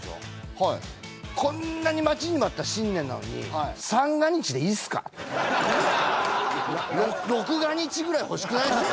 はいこんなに待ちに待った新年なのに六が日ぐらい欲しくないすか？